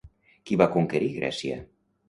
Qui va conquerir Grècia?